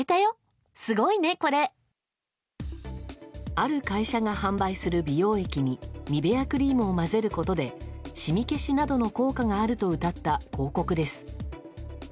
ある会社が販売する美容液にニベアクリームを混ぜることでシミ消しなどの効果があるとうたった広告です。